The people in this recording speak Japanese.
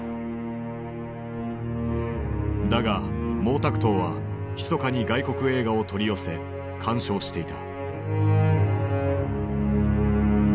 だが毛沢東はひそかに外国映画を取り寄せ鑑賞していた。